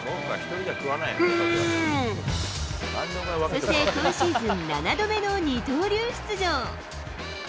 そして、今シーズン７度目の二刀流出場。